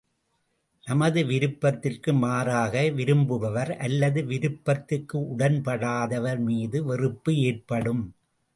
நமது விருப்பத்திற்கு மாறாக விரும்புவர் அல்லது விருப்பத்திற்கு உடன்படாதவர் மீது வெறுப்பு ஏற்படும்.